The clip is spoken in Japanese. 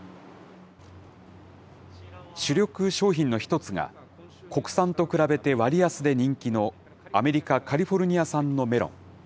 主力商品の１つが、国産と比べて割安で人気のアメリカ・カリフォルニア産のメロン。